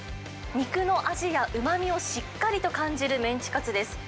肉の味やうまみをしっかりと感じるメンチカツです。